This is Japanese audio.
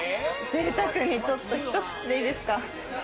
ぜいたくに、ちょっと一口でいいですか？